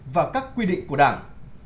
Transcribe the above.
và các quy định của đảng